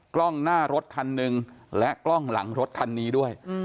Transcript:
กล้องหน้ารถคันหนึ่งและกล้องหลังรถคันนี้ด้วย